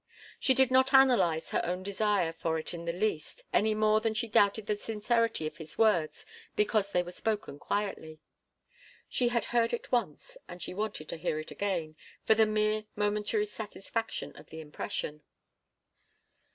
She did not analyze her own desire for it in the least, any more than she doubted the sincerity of his words because they were spoken quietly. She had heard it once and she wanted to hear it again, for the mere momentary satisfaction of the impression.